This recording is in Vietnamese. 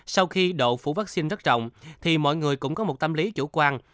sau khi độ phủ vaccine rất rộng thì mọi người cũng có một tâm lý chủ quan